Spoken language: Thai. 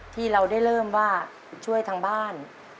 ที่เราได้เริ่มว่าช่วยทางบ้าน